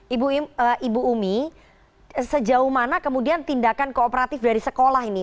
ibu umi sejauh mana kemudian tindakan kooperatif dari sekolah ini